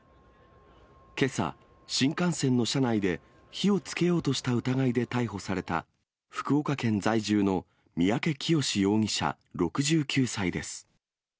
けさ、新幹線の車内で火をつけようとした疑いで逮捕された、福岡県在住の三宅潔容疑者６９歳です。